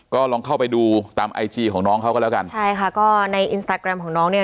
ก็ลองเข้าไปดูตามไอจีของน้องเขาก็แล้วกันใช่ค่ะก็ในอินสตาแกรมของน้องเนี่ย